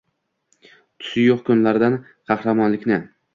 tusi yoʼq kunlardan qahramonlikni